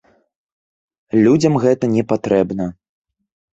Людзям гэта не патрэбна.